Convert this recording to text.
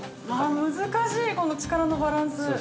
◆難しい、この力のバランス。